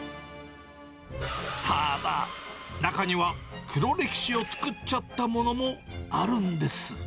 ただ、中には、黒歴史を作っちゃったものもあるんです。